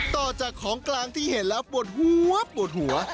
ต่อจากของกลางที่เห็นแล้วปวดหัวปวดหัว